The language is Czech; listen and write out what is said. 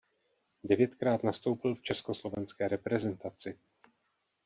Devětkrát nastoupil v československé reprezentaci.